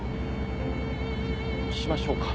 しましょうか。